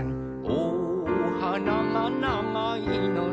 「おはながながいのね」